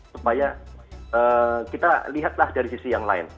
supaya kita lihatlah dari sisi yang lain